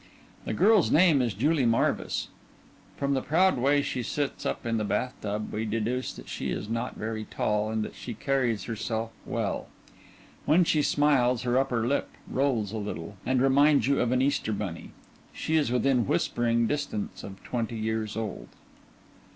_ The girl's name is JULIE MARVIS. _From the proud way she sits up in the bath tub we deduce that she is not very tall and that she carries herself well. When she smiles, her upper lip rolls a little and reminds you of an Easter Bunny. She is within whispering distance of twenty years old.